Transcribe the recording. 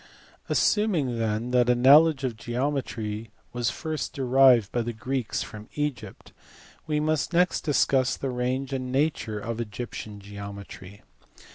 Assuming then that a knowledge of geometry was first derived by the Greeks from Egypt, we must next discuss the range and nature of Egyptian geometry f